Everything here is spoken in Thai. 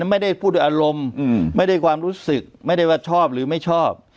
ไม่ได้พูดด้วยอารมณ์ไม่ได้ความรู้สึกไม่ได้ว่าชอบหรือไม่ชอบ